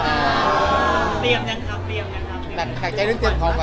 เตรียมยังค่ะ